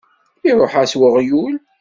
Iṛuḥ-aɣ weɣyul!